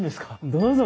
どうぞ。